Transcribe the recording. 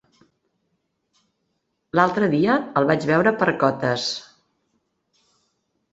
L'altre dia el vaig veure per Cotes.